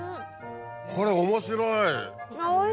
これ面白い。